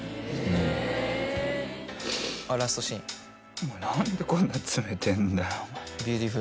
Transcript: お前何でこんな冷てぇんだよお前。